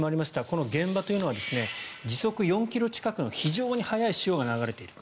この現場というのは時速４ｋｍ近くの非常に速い潮が流れている。